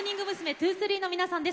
’２３の皆さんです。